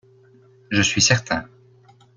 Je suis certain.